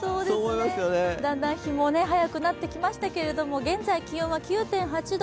だんだん日も早くなってきましたが現在気温は９．８度。